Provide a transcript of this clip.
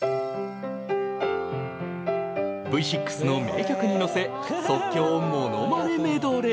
Ｖ６の名曲に乗せ即興ものまねメドレー。